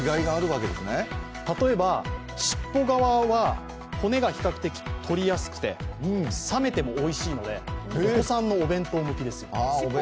例えば、尻尾側は骨が比較的とりやすくて、冷めてもおいしいのでお子さんのお弁当向きです。